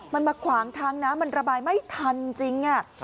มันมาขวางทางน้ำมันระบายไม่ทันจริง